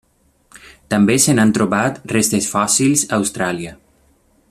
També se n'han trobat restes fòssils a Austràlia.